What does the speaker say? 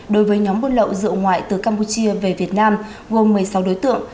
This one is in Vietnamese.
đối với nhóm buôn lậu rượu ngoại từ campuchia về việt nam gồm một mươi sáu đối tượng